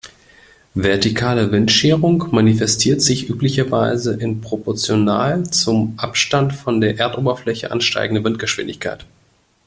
Vertikale Windscherung manifestiert sich üblicherweise in proportional zum Abstand von der Erdoberfläche ansteigender Windgeschwindigkeit.